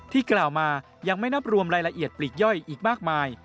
กล่าวมายังไม่นับรวมรายละเอียดปลีกย่อยอีกมากมาย